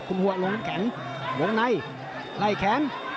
คุณหัวลงน้ำแข็งวงในไล่แขน